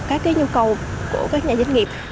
các nhu cầu của các nhà doanh nghiệp